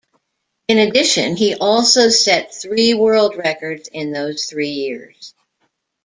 In addition, he also set three world records in those three years.